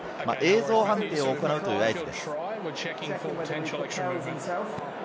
これがＴＭＯ、映像判定を行うという合図です。